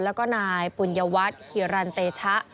แล้วก็นายปุญยวัตรฮิรันต์เตชะ